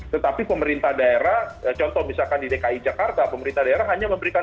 tetapi pemerintah daerah contoh misalkan di dki jakarta pemerintah daerah hanya memberikan